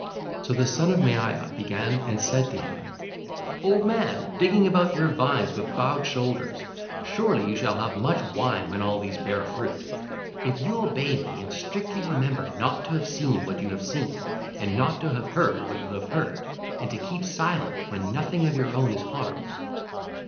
So the Son of Maia began and said to him: (ll. 90 93) 'Old man, digging about your vines with bowed shoulders, surely you shall have much wine when all these bear fruit, if you obey me and strictly remember not to have seen what you have seen, and not to have heard what you have heard, and to keep silent when nothing of your own is harmed.